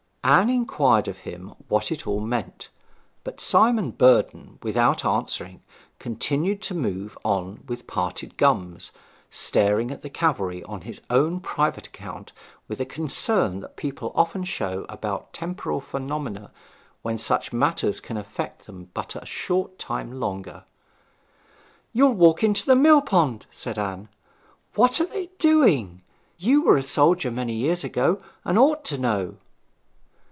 Anne inquired of him what it all meant; but Simon Burden, without answering, continued to move on with parted gums, staring at the cavalry on his own private account with a concern that people often show about temporal phenomena when such matters can affect them but a short time longer. 'You'll walk into the millpond!' said Anne. 'What are they doing? You were a soldier many years ago, and ought to know.'